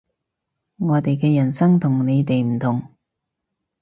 我哋嘅人生同你哋唔同